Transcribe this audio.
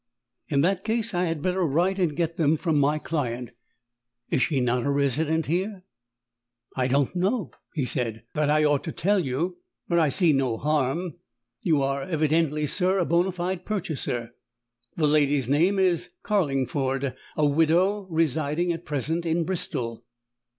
"In that case I had better write and get them from my client." "Is she not a resident here?" "I don't know," he said, "that I ought to tell you. But I see no harm you are evidently, sir, a bona fide purchaser. The lady's name is Carlingford a widow residing at present in Bristol."